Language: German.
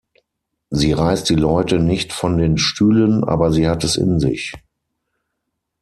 Sie reißt die Leute nicht von den Stühlen, aber sie hat es in sich.